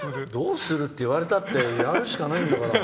どうする？って言われたってやるしかないんだから。